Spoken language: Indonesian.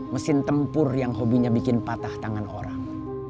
mesin tempur yang hobinya bikin patah tangan orang